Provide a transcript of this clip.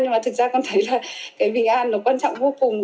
nhưng mà thực ra con thấy là cái bình an nó quan trọng vô cùng